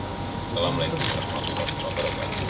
assalamualaikum warahmatullahi wabarakatuh